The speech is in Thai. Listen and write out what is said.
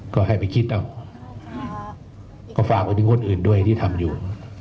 ก็ให้ไปคิดเอาก็ฝากไปถึงคนอื่นด้วยที่ทำอยู่